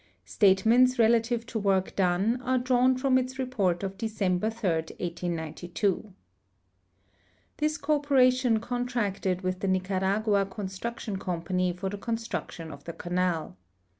Statements relative to work done are drawn from its ro})ort of Decemlier 3, 1892. This corporation contracted with the Nicaragua Construction Com I)any for the construction of the canal.